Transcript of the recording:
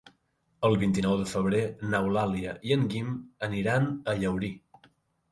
El vint-i-nou de febrer n'Eulàlia i en Guim aniran a Llaurí.